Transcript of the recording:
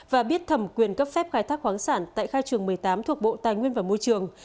và biết thẩm quyền cấp phép khai thác khoáng sản tại khai trường một mươi tám thuộc bộ tài nguyên và môi trường